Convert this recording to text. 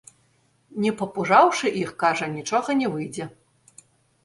Не папужаўшы іх, кажа, нічога не выйдзе.